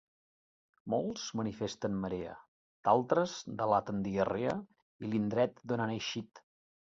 Molts manifesten marea; d'altres delaten diarrea i l'indret d'on han eixit.